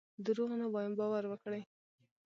دروغ نه وایم باور وکړئ.